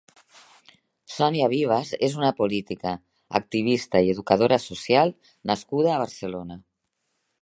Sonia Vivas és una política, activista i educadora social nascuda a Barcelona.